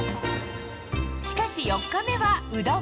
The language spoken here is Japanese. しかし、４日目はうどん。